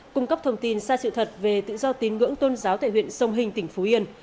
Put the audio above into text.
cung cấp thông tin sai sự thật về tự do tín ngưỡng tôn giáo tại huyện sông hình tỉnh phú yên